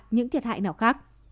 những thiệt hại nào khác